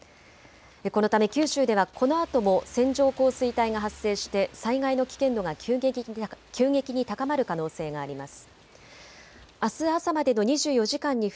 このため九州ではこのあとも線状降水帯が発生して災害の危険度が急激に高まる可能性があります。